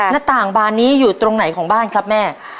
หน้าต่างบานนี้อยู่ตรงไหนของบ้านครับแม่